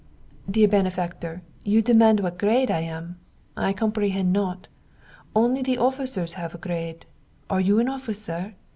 Dear benefactor, you demand what grade I am. I comprehend not. Only the officers have grade. Are you an officer?